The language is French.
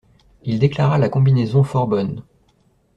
Il déclara la combinaison fort bonne.